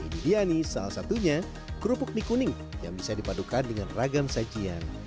ini dia nih salah satunya kerupuk mie kuning yang bisa dipadukan dengan ragam sajian